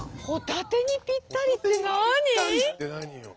ホタテにぴったりって何？